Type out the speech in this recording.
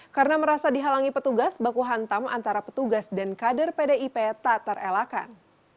karena merasa dihalangi petugas baku hantam antara petugas dan kader pdip tak terelakan